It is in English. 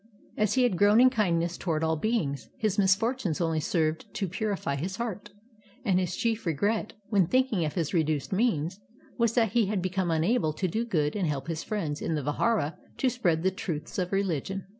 As he had grown in kindness toward all beings, his misfortunes only served to purify his heart; and his chief regret, when thinking of his reduced means, was that he had become unable to do good and to help his friends in the vihdra to spread the truths of religion.